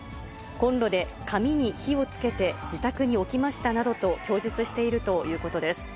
コンロで紙に火をつけて、自宅に起きましたなどと供述しているということです。